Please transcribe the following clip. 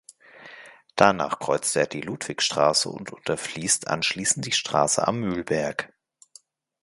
Danach kreuzt er die Ludwigstraße und unterfließt anschließend die Straße "Am Mühlberg".